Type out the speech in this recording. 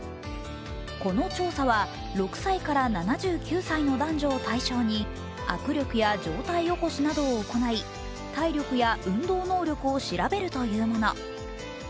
この調査は６歳から７９歳の男女を対象に握力や上体起こしなどを行い、体力や運動能力を調べるというもの。